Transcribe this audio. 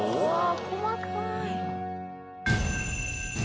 細かい。